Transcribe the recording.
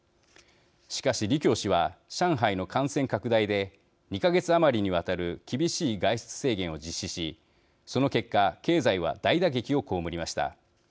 しかし、李強氏は上海の感染拡大で２か月余りにわたる厳しい外出制限を実施しその結果、経済は大打撃をこうむりました。